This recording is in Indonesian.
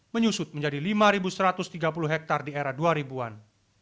menyusut menjadi lima satu ratus tiga puluh hektare di era dua ribu an